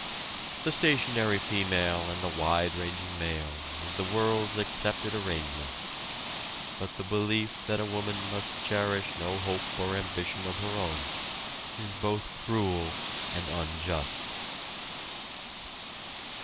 The stationary female and the wide ranging male is the world's accepted arrangement, but the belief that a woman must cherish no hope or ambition of her own is both cruel and unjust.